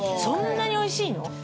そんなにおいしいの？